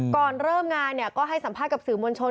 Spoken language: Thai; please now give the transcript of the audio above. ก่อนเริ่มงานก็ให้สัมภาษณ์กับสื่อมวลชน